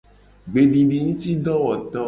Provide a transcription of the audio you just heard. Gbedidingutidowoto.